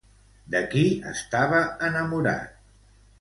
De qui estava enamorat?